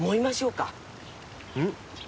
うん？